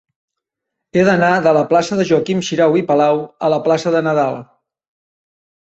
He d'anar de la plaça de Joaquim Xirau i Palau a la plaça de Nadal.